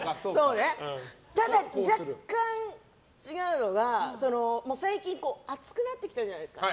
ただ若干違うのが、最近暑くなってきたじゃないですか。